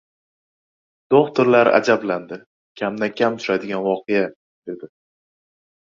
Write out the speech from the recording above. Do‘xtirlar ajablandi, kamdan kam uchraydigan voqea, dedi.